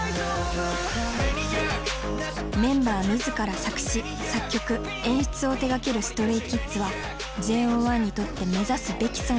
メンバー自ら作詞作曲演出を手がけるＳｔｒａｙＫｉｄｓはＪＯ１にとって目指すべき存在。